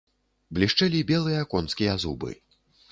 Блішчэлі белыя конскія зубы.